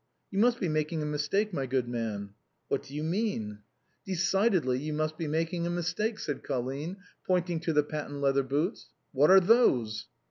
" You must be making a mistake, my good man." " What do you mean ?"" Decidedly you must be making a mistake," said Col line, pointing to the patent leather boots. "What are those?"